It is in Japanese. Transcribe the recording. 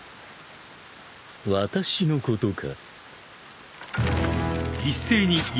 私のことか？